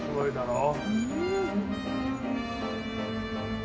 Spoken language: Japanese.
うん。